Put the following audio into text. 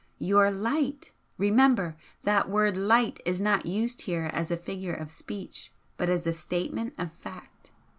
Your 'light' remember! that word 'light' is not used here as a figure of speech but as a statement of fact.